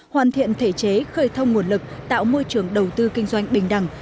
hoàn thiện thể chế khơi thông nguồn lực tạo môi trường đầu tư kinh doanh bình đẳng